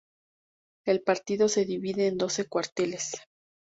El partido se divide en doce cuarteles.